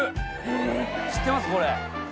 知ってますこれ。